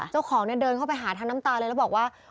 เจ้าของเนี่ยเดินเข้าไปหาทั้งน้ำตาเลยแล้วบอกว่า